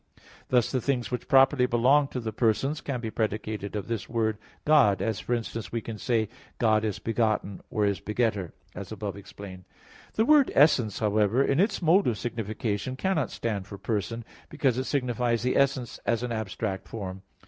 Thus the things which properly belong to the persons, can be predicated of this word, "God," as, for instance, we can say "God is begotten" or is "Begetter," as above explained (A. 4). The word "essence," however, in its mode of signification, cannot stand for Person, because it signifies the essence as an abstract form.